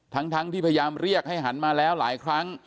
ทั้งที่พยายามเรียกให้หันมาแล้วหลายครั้ง